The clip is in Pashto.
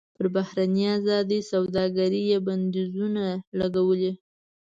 پر بهرنۍ ازادې سوداګرۍ یې بندیزونه لګولي.